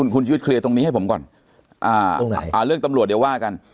คุณชีวิตเคลียร์ตรงนี้ให้ผมก่อนเรื่องตำรวจเดี๋ยวว่ากัน